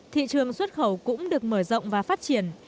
thị trường xuất khẩu cũng được mở rộng và phát triển